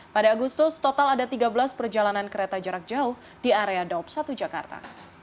pada agustus total ada tiga belas perjalanan kereta jarak jauh di area daup satu jakarta